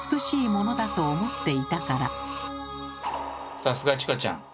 さすがチコちゃん。